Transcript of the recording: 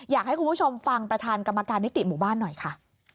อยากให้คุณผู้ชมฟังประธานกรรมการนิติหมู่บ้านหน่อยค่ะ